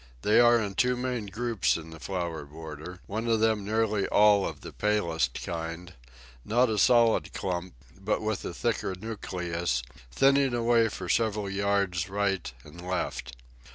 They are in two main groups in the flower border, one of them nearly all of the palest kind not a solid clump, but with a thicker nucleus, thinning away for several yards right and left.